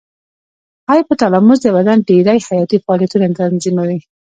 هایپو تلاموس د بدن ډېری حیاتي فعالیتونه تنظیموي.